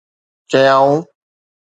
چيائون